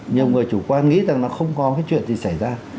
nhiều người chủ quan nghĩ rằng nó không có cái chuyện gì xảy ra